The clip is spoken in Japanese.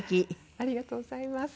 ありがとうございます。